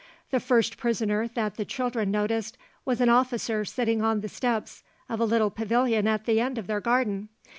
The first prisoner that the children noticed was an officer sitting on the steps of a little pavilion at the end of their garden.